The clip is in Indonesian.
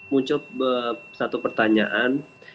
muncul satu pertanyaan